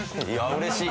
うれしい。